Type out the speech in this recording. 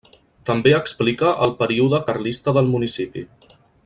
També explica el període carlista del municipi.